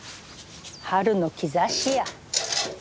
春の兆しや。